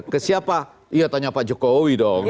ke siapa iya tanya pak jokowi dong